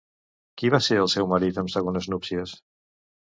Qui va ser el seu marit en segones núpcies?